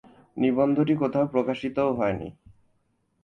নিবন্ধটি কোথাও প্রকাশিতও হয়নি।